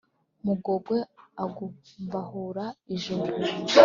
mugogwe agumbahura ijuru.